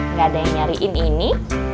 nggak ada yang nyariin ini